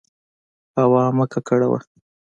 هوا مه ککړوه.